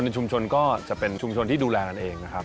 ชุมชนก็จะเป็นชุมชนที่ดูแลกันเองนะครับ